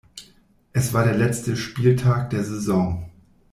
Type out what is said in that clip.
Es war der letzte Spieltag der Saison.